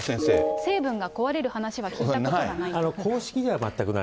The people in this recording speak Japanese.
成分が壊れるなんて話は聞いたことがない。